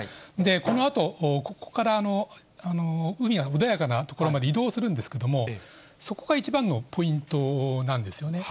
このあと、ここから海が穏やかな所まで移動するんですけれども、そこが一番のポイントなんですよね。